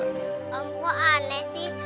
om kok aneh sih